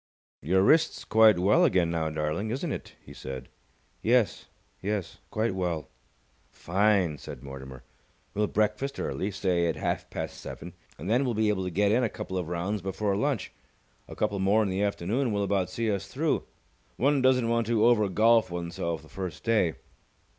"Your wrist's quite well again now, darling, isn't it?" he said. "Yes. Yes, quite well." "Fine!" said Mortimer. "We'll breakfast early say at half past seven and then we'll be able to get in a couple of rounds before lunch. A couple more in the afternoon will about see us through. One doesn't want to over golf oneself the first day."